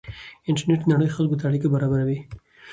انټرنېټ د نړۍ خلکو ته اړیکه برابروي.